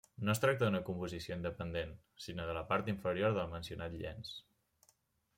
No es tracta d'una composició independent, sinó de la part inferior del mencionat llenç.